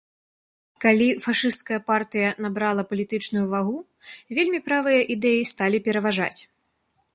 Калі фашысцкая партыя набрала палітычную вагу, вельмі правыя ідэі сталі пераважаць.